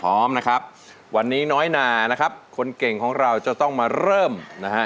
พร้อมนะครับวันนี้น้อยนานะครับคนเก่งของเราจะต้องมาเริ่มนะฮะ